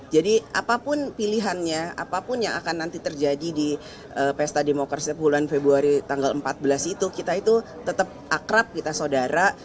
jadi apapun pilihannya apapun yang akan nanti terjadi di pesta demokrasi sepuluh februari tanggal empat belas itu kita itu tetap akrab kita saudara